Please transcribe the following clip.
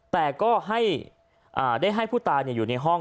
แต่ก็ได้ให้ผู้ตายอยู่ในห้อง